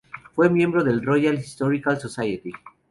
Fue miembro de la Royal Historical Society.